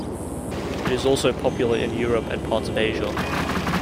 It is also popular in Europe and parts of Asia.